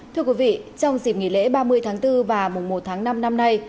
thưa quý vị trong dịp nghỉ lễ ba mươi tháng bốn và mùa một tháng năm năm nay